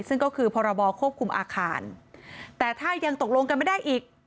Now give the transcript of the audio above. ซึ่งก็คือพรบควบคุมอาคารแต่ถ้ายังตกลงกันไม่ได้อีก